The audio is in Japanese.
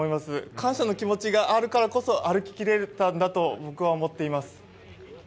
感謝の気持ちがあるからこそ歩き切れたんだと僕は思っています。